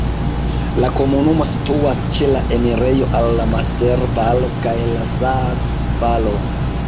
La komunumo situas ĉe la enirejo al la Mater-Valo kaj la Saas-Valo.